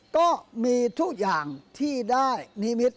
ก็มีทุกอย่างที่ได้นิมิตร